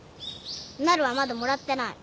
なるはまだもらってない。